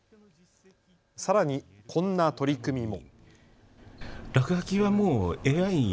さらにこんな取り組みも。